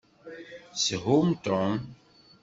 Shum Tom!